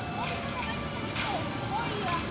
aku sama ini sama ini